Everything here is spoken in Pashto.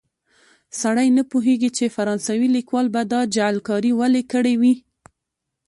سړی نه پوهېږي چې فرانسوي لیکوال به دا جعلکاري ولې کړې وي.